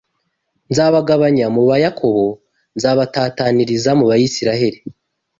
Nzabagabanya mu ba Yakobo. Nzabatataniriza mu Bisirayeli